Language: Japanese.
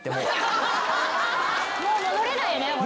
もう戻れないよね。